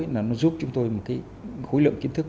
là nó giúp chúng tôi một cái khối lượng kiến thức